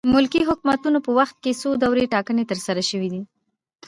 ملکي حکومتونو په وخت کې څو دورې ټاکنې ترسره شوې.